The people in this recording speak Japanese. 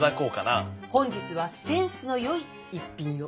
本日はセンスの良い逸品を。